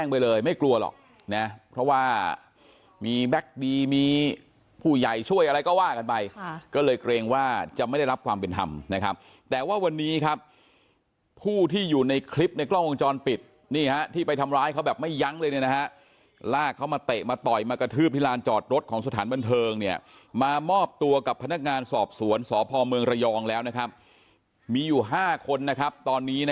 ไปเลยไม่กลัวหรอกนะเพราะว่ามีแบ็คดีมีผู้ใหญ่ช่วยอะไรก็ว่ากันไปก็เลยเกรงว่าจะไม่ได้รับความเป็นธรรมนะครับแต่ว่าวันนี้ครับผู้ที่อยู่ในคลิปในกล้องวงจรปิดนี่ฮะที่ไปทำร้ายเขาแบบไม่ยั้งเลยเนี่ยนะฮะลากเขามาเตะมาต่อยมากระทืบที่ลานจอดรถของสถานบันเทิงเนี่ยมามอบตัวกับพนักงานสอบสวนสพเมืองระยองแล้วนะครับมีอยู่๕คนนะครับตอนนี้นะ